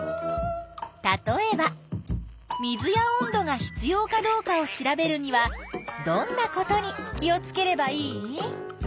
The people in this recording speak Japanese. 例えば水や温度が必要かどうかを調べるにはどんなことに気をつければいい？